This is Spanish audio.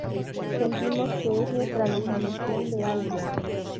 Sentimos que es nuestra definición de álbum.